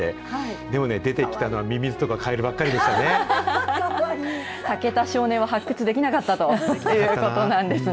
でもね、出てきたのはミミズとか武田少年は、発掘できなかったということなんですね。